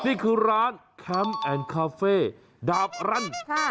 นี่คือร้านแคมป์แอนด์คาเฟ่ดาบรัน